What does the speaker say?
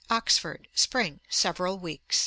Oxford, spring; several weeks.